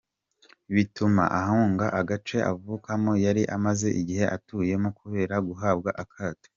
btuma ahunga agace avukamo yari amaze igihe atuyemo, kubera guhabwa akato.